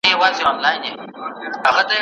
امانت باید وساتل سي.